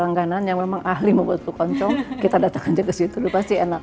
langganan yang memang ahli membuat flu koncong kita datang aja ke situ pasti enak